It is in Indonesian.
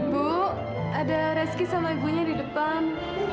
bu ada reski sama ibunya di depan